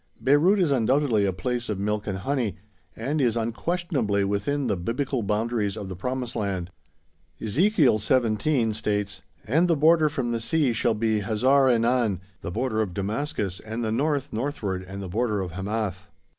Beyrout is undoubtedly a place of milk and honey, and is unquestionably within the Biblical boundaries of the Promised Land. Ezekiel xlvii., 17, states: "and the border from the sea shall be Hazar enan, the border of Damascus and the north northward and the border of Hamath."